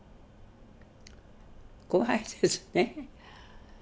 怖いですね。